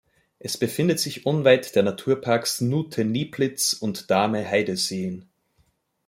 Es befindet sich unweit der Naturparks Nuthe-Nieplitz und Dahme-Heideseen.